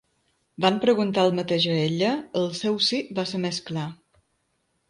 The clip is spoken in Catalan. Van preguntar el mateix a ella, el seu sí va ser més clar.